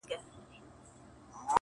اوړی ډېر تود وي.